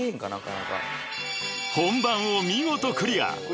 ［本番を見事クリア］